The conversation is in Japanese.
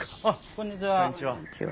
こんにちは。